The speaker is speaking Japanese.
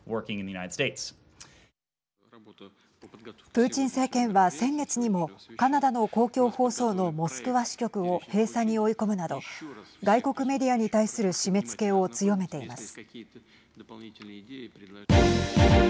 プーチン政権は先月にもカナダの公共放送のモスクワ支局を閉鎖に追い込むなど外国メディアに対する締めつけを強めています。